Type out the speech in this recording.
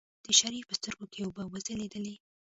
د شريف په سترګو کې اوبه وځلېدلې.